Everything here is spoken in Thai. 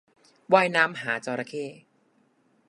ว่ายน้ำหาจระเข้